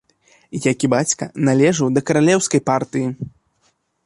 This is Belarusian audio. Як і бацька, належыў да каралеўскай партыі.